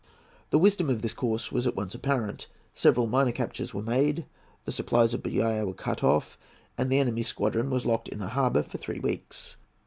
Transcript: The wisdom of this course was at once apparent. Several minor captures were made; the supplies of Bahia were cut off, and the enemy's squadron was locked in the harbour for three weeks.